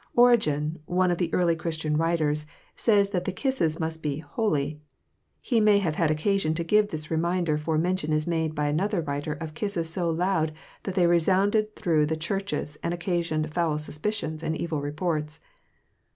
Origen, one of the early Christian writers, says that the kisses must be "holy." He may have had occasion to give this reminder for mention is made by another writer of kisses so loud that they resounded through the churches and occasioned foul suspicions and evil reports.